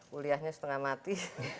guliahnya setengah mati